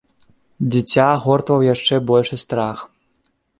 Дзіця агортваў яшчэ большы страх.